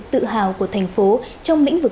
tự hào của thành phố trong lĩnh vực